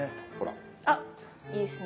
あっいいですね。